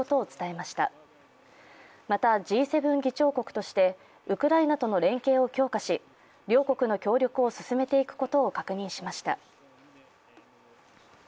また、Ｇ７議長国としてウクライナとの連携を強化し両国の協力を進めていくことを確認しました。